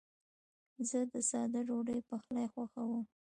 زه د ساده ډوډۍ پخلی خوښوم.